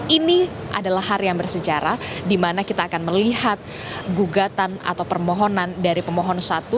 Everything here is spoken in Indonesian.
ini adalah hari yang bersejarah di mana kita akan melihat gugatan atau permohonan dari pemohon satu